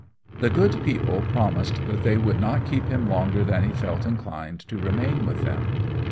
The good people promised that they would not keep him longer than he felt inclined to remain with them.